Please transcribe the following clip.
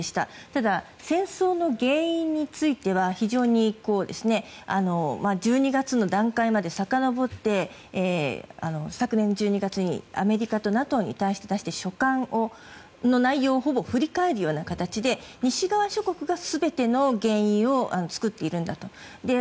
ただ、戦争の原因については非常に１２月の段階までさかのぼって、昨年１２月にアメリカとＮＡＴＯに対して出した書簡の内容をほぼ振り返るような形で西側諸国が全ての原因を作っているんだと。